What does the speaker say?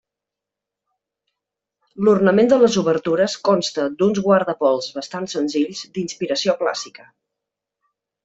L'ornament de les obertures consta d'uns guardapols bastant senzills d'inspiració clàssica.